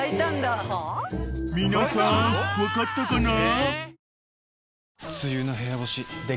［皆さん分かったかな？］